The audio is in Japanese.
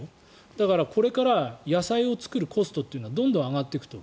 だからこれから野菜を作るコストというのはどんどん上がっていくと。